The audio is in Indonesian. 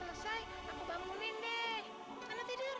aku yang akan membereskannya